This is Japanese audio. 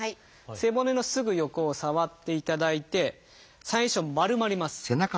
背骨のすぐ横を触っていただいて最初丸まります。